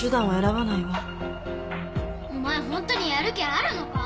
お前ホントにやる気あるのか？